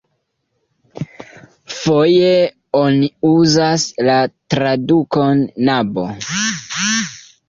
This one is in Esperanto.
Foje oni uzas la tradukon nabo.